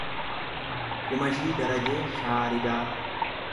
Kumashii Darajee Shaaridaa